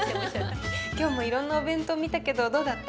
今日もいろんなお弁当見たけどどうだった？